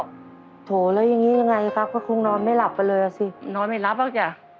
โถแล้วอย่างนี้ยังไงครับก็คงนอนไม่หลับไปเลยอ่ะสินอนไม่รับหรอกจ้ะ